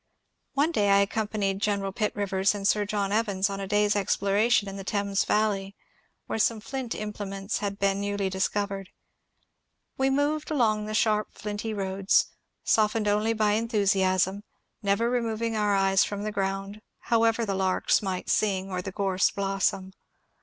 One day I accompanied General Pitt Rivers and Sir John Evans on a day's exploration in the Thames valley, where some flint implements had been newly discovered. We moved along the sharp flinty roads, softened only by enthusiasm, never removing our eyes from the ground, however the larks might sing or the gorse blossom.